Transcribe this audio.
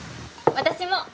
私も。